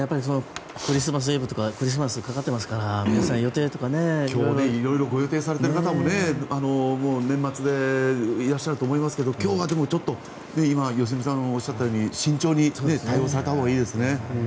クリスマスイブとかクリスマスにご予定されている方も年末でいらっしゃると思いますが今良純さんがおっしゃったように今日は慎重に対応されたほうがいいですね。